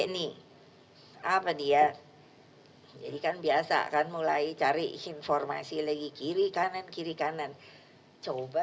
nih apa dia jadikan biasa kan mulai cari informasi lagi kiri kanan kiri kanan coba